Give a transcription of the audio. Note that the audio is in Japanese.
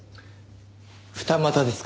二股ですか。